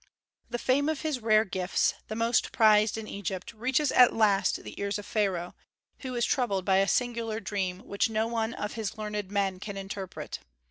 The fame of his rare gifts, the most prized in Egypt, reaches at last the ears of Pharaoh, who is troubled by a singular dream which no one of his learned men can interpret.